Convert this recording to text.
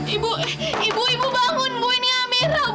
ibu ibu ibu bangun bu ini amira bu